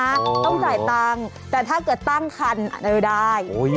ต้องใส่ตังค์แต่ถ้าเกิดตั้งคันอันนี้ได้